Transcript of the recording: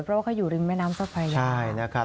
เพราะว่าเขาอยู่ริมแม่น้ำเจ้าพระยานะครับ